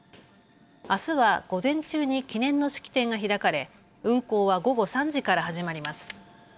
あすは午前中に記念の式典が開かれ運行は午後３時から始まります。